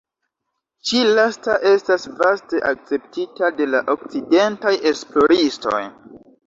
Ĉi-lasta estas vaste akceptita de la okcidentaj esploristoj.